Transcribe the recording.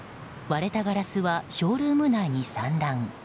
割れたガラスはショールーム内に散乱。